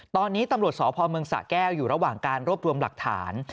ตอนนี้ตำรวจสพเมืองสะแก้วอยู่ระหว่างการรวบรวมหลักฐาน